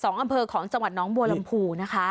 ๒อำเภอของสวัสดิ์น้องบัวลำภูนะคะ